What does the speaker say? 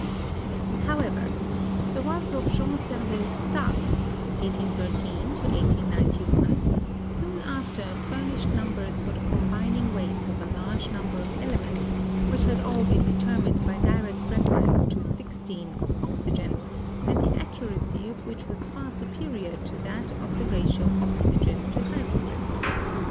However, the work of Jean Servais Stas (1813 1891) soon after furnished numbers for the combining weights of a large number of elements which had all been de termined by direct reference to 16 of oxygen, and the ac curacy of which was far superior to that of the ratio oxy gen : hydrogen.